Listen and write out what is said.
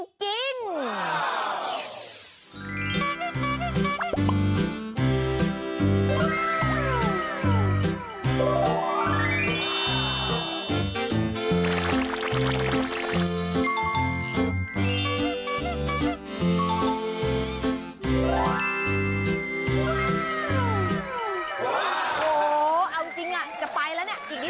โอ้โหเอาจริงจะไปแล้วเนี่ยอีกนิด